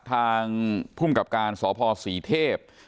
ทางพระหัวสมยสภสรีเทพฯ